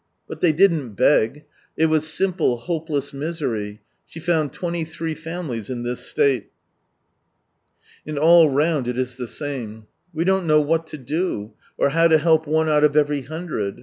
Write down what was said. But they didn't beg: it was simple, hopeless misery. She found twenty three families in this state. And all round it is the same. We don't know what lo do, or how to help one out of every hundred.